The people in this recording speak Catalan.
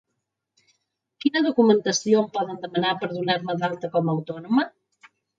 Quina documentación em poden demanar per donar-me d'alta com a autònoma?